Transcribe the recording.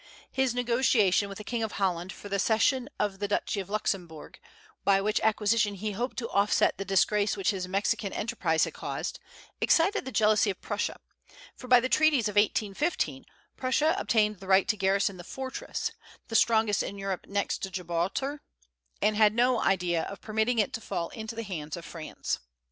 His negotiation with the King of Holland for the cession of the Duchy of Luxemburg, by which acquisition he hoped to offset the disgrace which his Mexican enterprise had caused, excited the jealousy of Prussia; for by the treaties of 1815 Prussia obtained the right to garrison the fortress, the strongest in Europe next to Gibraltar, and had no idea of permitting it to fall into the hands of France.